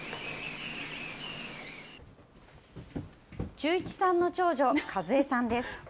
忠一さんの長女、和江さんです。